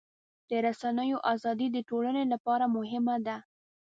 د رسنیو ازادي د ټولنې لپاره مهمه ده.